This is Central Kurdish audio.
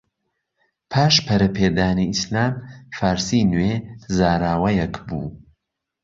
پاش پەرەپێدانی ئیسلام، فارسی نوێ زاراوەیەک بوو